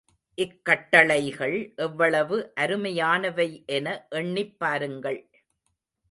இக்கட்டளைகள் எவ்வளவு அருமையானவை என எண்ணிப் பாருங்கள்.